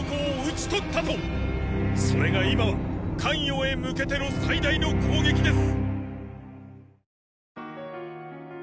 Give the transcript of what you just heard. それが今は咸陽へ向けての最大の攻撃です！